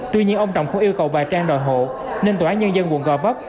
tuy nhiên ông trọng không yêu cầu bà trang đòi hộ nên tòa án nhân dân quận gò vấp